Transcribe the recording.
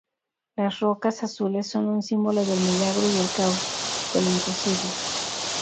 Las rocas azules son un símbolo del milagro y el caos, de lo imposible.